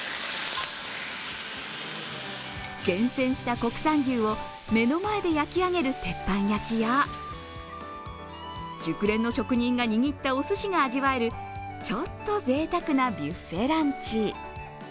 厳選した国産牛を目の前で焼き上げる鉄板焼きや熟練の職人が握ったおすしが味わえるちょっとぜいたくなビュッフェランチ。